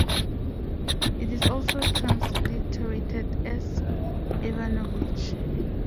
It is also transliterated as "Ivanovitch".